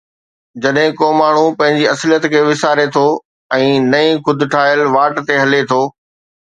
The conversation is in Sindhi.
جڏهن ڪو ماڻهو پنهنجي اصليت کي وساري ٿو ۽ نئين خود ٺاهيل واٽ تي هلي ٿو